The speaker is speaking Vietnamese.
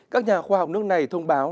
các nhà khoa học nước này thông báo